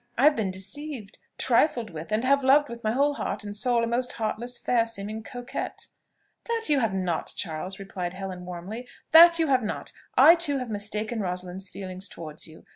I have been deceived trifled with, and have loved with my whole heart and soul a most heartless, fair seeming coquette." "That you have not, Charles!" replied Helen warmly; "that you have not! I too have mistaken Rosalind's feelings towards you.